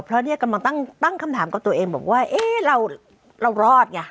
เพราะเนี่ยกำลังตั้งคำถามกับตัวเองบอกว่าเอ๊ะเรารอดไง